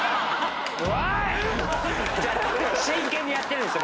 真剣にやってるんですよ